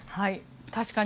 確かに。